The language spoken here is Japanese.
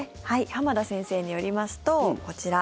浜田先生によりますとこちら。